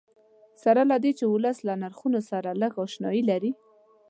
سره له دې چې ولس له نرخونو سره لږ اشنایي لري.